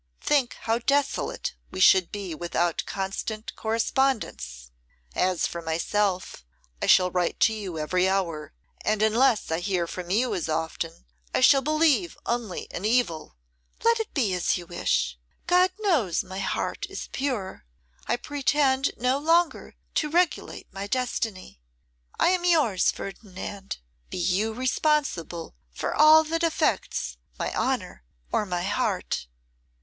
Think how desolate we should be without constant correspondence. As for myself, I shall write to you every hour, and, unless I hear from you as often, I shall believe only in evil!' 'Let it be as you wish. God knows my heart is pure. I pretend no longer to regulate my destiny. I am yours, Ferdinand. Be you responsible for all that affects my honour or my heart.